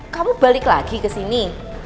kamu balik lagi kesini